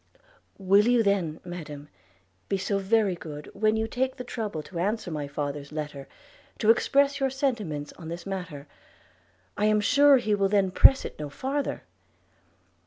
– 'Will you then, Madam, be so very good, when you take the trouble to answer my father's letter, to express your sentiments on this matter? and I am sure he will then press it no farther.'